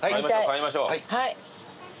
買いましょう。